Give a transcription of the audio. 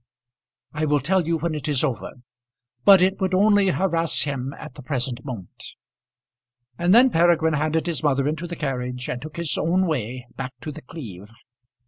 "I will tell you when it is over. But it would only harass him at the present moment." And then Peregrine handed his mother into the carriage and took his own way back to The Cleeve.